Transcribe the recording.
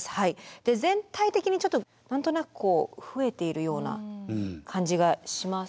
全体的にちょっと何となく増えているような感じがしません？